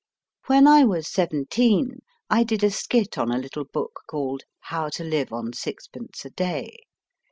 When I was seventeen, I did a skit on a little book called How to Live on Sixpence a Day.